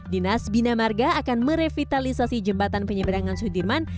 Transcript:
dinas bina marga akan merevitalisasi jembatan penyeberangan sudirman